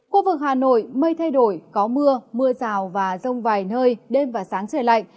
khu vực hà nội mây thay đổi có mưa mưa rào và rông vài nơi đêm và sáng trời lạnh